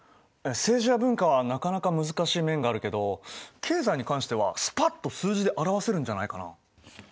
政治や文化はなかなか難しい面があるけど経済に関してはスパッと数字で表せるんじゃないかな？